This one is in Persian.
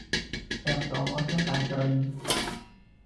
اقدامات قضایی